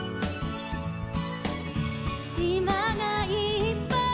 「しまがいっぱい」